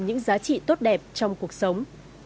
những giá trị tốt đẹp trong cuộc sống